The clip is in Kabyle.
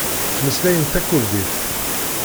Ttmeslayen takurdit.